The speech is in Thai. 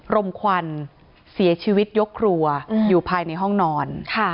รมควันเสียชีวิตยกครัวอยู่ภายในห้องนอน